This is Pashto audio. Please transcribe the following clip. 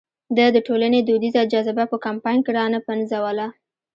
ده د ټولنې دودیزه جذبه په کمپاین کې را نه پنځوله.